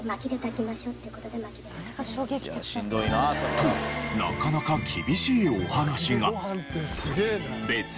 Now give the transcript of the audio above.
となかなか厳しいお話が。